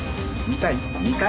見たい？